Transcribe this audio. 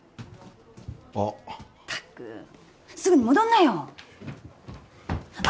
あッまったくすぐに戻んなよああ